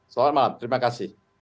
selamat malam terima kasih